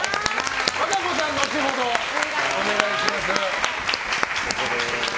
和歌子さんはまた後ほどお願いします。